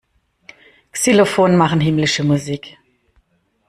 Xylophone machen himmlische Musik.